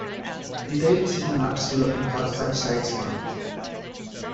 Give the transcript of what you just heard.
Detailed city maps will often have such sites marked.